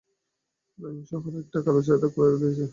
লংইয়ু শহরে একটি কালো ছায়া দেখা দিয়েছে।